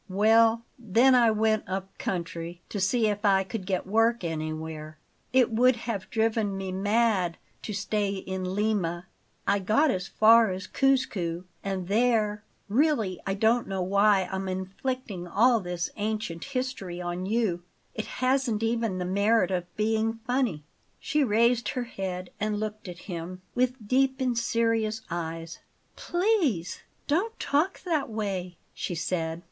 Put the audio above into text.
"Well, then I went up country, to see if I could get work anywhere it would have driven me mad to stay in Lima. I got as far as Cuzco, and there Really I don't know why I'm inflicting all this ancient history on you; it hasn't even the merit of being funny." She raised her head and looked at him with deep and serious eyes. "PLEASE don't talk that way," she said.